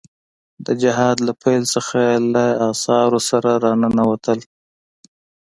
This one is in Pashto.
د جهاد له پيل څخه له اسعارو سره را ننوتل.